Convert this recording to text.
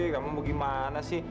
gak mau gimana sih